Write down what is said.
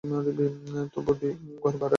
তবু দুই ঘর ভাড়াটে রাখি।